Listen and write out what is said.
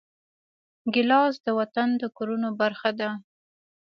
ګیلاس د وطن د کورونو برخه ده.